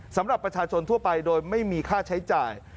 สำหรับประชาชนทั่วไปโดยไม่มีค่าใช้จ่าย